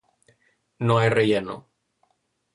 No hay relleno.